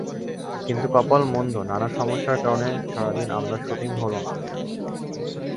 কিন্তু কপাল মন্দ—নানা সমস্যার কারণে সারা দিন আমার শুটিং হলো না।